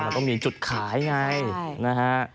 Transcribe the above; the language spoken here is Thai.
มันต้องมีจุดขายไงนะฮะ